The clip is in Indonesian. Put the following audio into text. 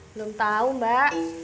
belum tau mbak